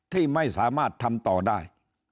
ที่ไม่สามารถทำต่อได้